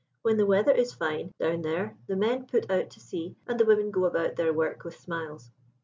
When the weather is fine, down there, the men put out to sea and the women go about their work with smiles.